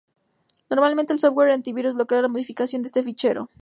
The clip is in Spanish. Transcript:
Normalmente el software antivirus bloquea la modificación de este fichero.